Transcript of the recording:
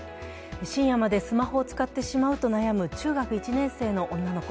深夜までスマホを使ってしまうと悩む中学１年生の女の子。